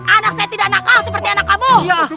anak saya tidak nakal seperti anak kamu